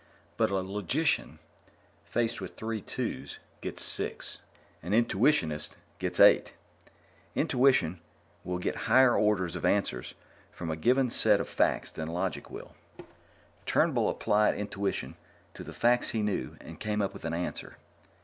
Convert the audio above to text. But a logician, faced with three twos, gets six an intuitionist gets eight. Intuition will get higher orders of answers from a given set of facts than logic will. Turnbull applied intuition to the facts he knew and came up with an answer.